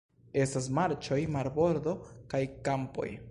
Estas marĉoj, marbordo kaj kampoj.